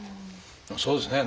そうですね。